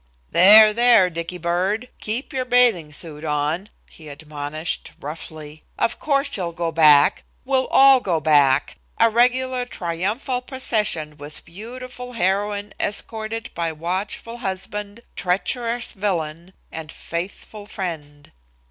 "There, there, Dicky bird, keep your bathing suit on," he admonished, roughly; "of course, she'll go back, we'll all go back, a regular triumphal procession with beautiful heroine escorted by watchful husband, treacherous villain and faithful friend."